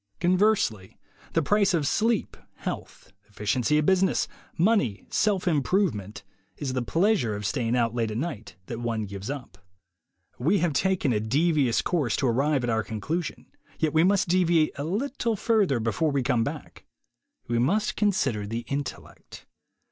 Conversely, the price of sleep, health, efficiency at business, money, self improvement, is the pleasure of staying out late at night that one gives up. We have taken a devious course to arrive at our conclusion, yet we must deviate a little further before we come back. We must consider the Intellect.